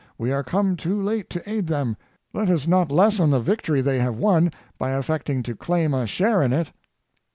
We are come too late to aid them; let us not lessen the victory they have won by affecting to claim a share in it."